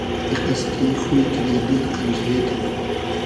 ایقئس کی خوی کیدۂ دیل قئنخیغې تو